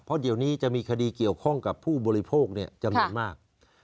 เพราะเดี๋ยวนี้จะมีคดีเกี่ยวข้องกับผู้บริโภคจำนวนมาก